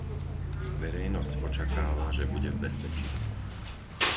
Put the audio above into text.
Verejnosť očakáva, že bude v bezpečí.